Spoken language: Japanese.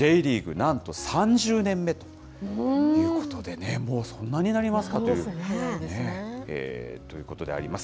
なんと３０年目ということでね、もうそんなになりますかという、ということであります。